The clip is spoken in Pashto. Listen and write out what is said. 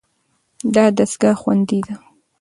دا دستګاه خوندي ده.